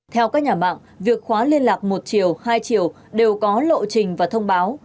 theo các nhà mạng việc khóa liên lạc một chiều hai chiều đều có lộ trình và thông báo